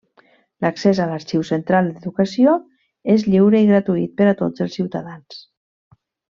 L'accés a l'Arxiu Central d'Educació és lliure i gratuït per a tots els ciutadans.